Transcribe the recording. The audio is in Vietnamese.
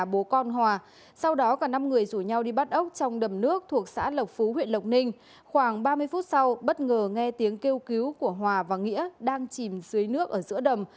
ba mươi phút sau bất ngờ nghe tiếng kêu cứu của hòa và nghĩa đang chìm dưới nước ở giữa đầm